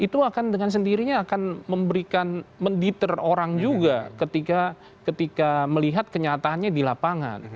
itu akan dengan sendirinya akan memberikan menditer orang juga ketika melihat kenyataannya di lapangan